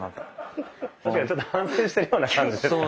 確かにちょっと反省してるような感じですか。